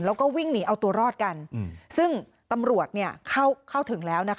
แล้วก็วิ่งหนีเอาตัวรอดกันซึ่งตำรวจเข้าถึงแล้วนะคะ